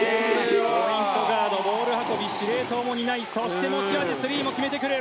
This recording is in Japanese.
ポイントガードボール運び、司令塔も担いそして持ち味スリーも決めてくる。